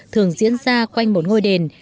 thường diễn ra quanh một ngôi đền